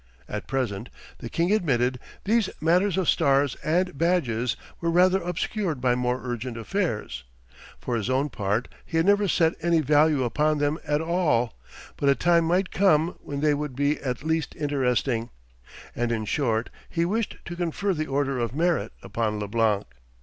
At present, the king admitted, these matters of stars and badges were rather obscured by more urgent affairs, for his own part he had never set any value upon them at all, but a time might come when they would be at least interesting, and in short he wished to confer the Order of Merit upon Leblanc.